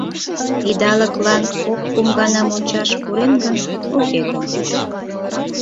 Идалыклан кок-кум гана мончаш пурен гын, уке гын.